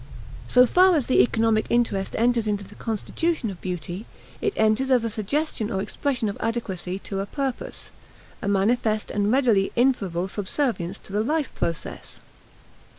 So far as the economic interest enters into the constitution of beauty, it enters as a suggestion or expression of adequacy to a purpose, a manifest and readily inferable subservience to the life process.